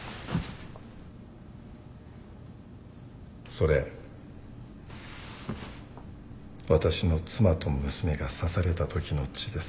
それ私の妻と娘が刺されたときの血です。